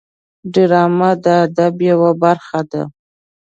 ډرامه د ادب یوه برخه ده